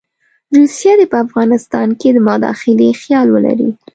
روسیه دې په افغانستان کې د مداخلې خیال ولري.